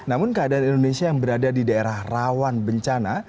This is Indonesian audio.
namun keadaan indonesia yang berada di daerah rawan bencana